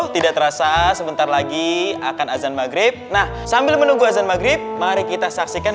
tidak terasa sebentar lagi akan azan maghrib nah sambil menunggu azan maghrib mari kita saksikan